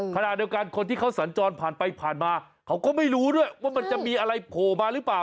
ขณะเดียวกันคนที่เขาสัญจรผ่านไปผ่านมาเขาก็ไม่รู้ด้วยว่ามันจะมีอะไรโผล่มาหรือเปล่า